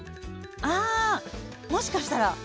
あもしかしたら。